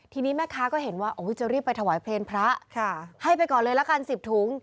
ทีนี้แม่ค้าก็เห็นว่าจะรีบไปถวายเพลงพระให้ไปก่อนเลยละกัน๑๐ถุง